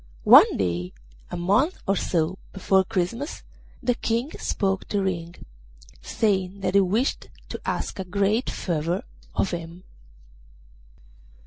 One day, a month or so before Christmas, the King spoke to Ring, saying that he wished to ask a great favour of him.